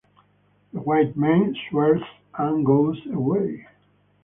The white men swears and goes away.